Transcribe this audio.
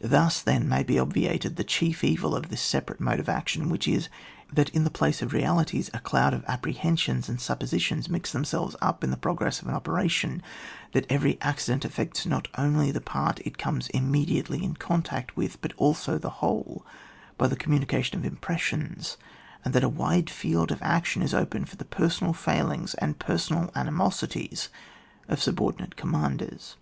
Thus, then, may be obviated the chief evil of this separate mode of action, which is, that in the place of realities, a cloud of apprehensions and suppositions mix themselves up in the progress of an operation, that every accident affects not only the part it comes immediately in contact with, but also the whole, by the communication of impressions, and that a wide field of action is opened for the personal failings and personal animosi ties of subordinate commanders.